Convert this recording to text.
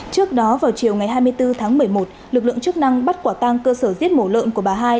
trước đó vào chiều ngày hai mươi bốn tháng một mươi một lực lượng chức năng bắt quả tang cơ sở giết mổ lợn của bà hai